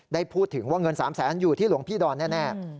ได้พูดถึงว่าเงิน๓แสนอยู่ที่หลวงพี่ดอนแน่